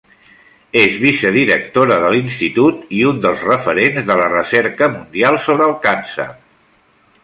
És vicedirectora de l'Institut, i un dels referents de la recerca mundial sobre el càncer.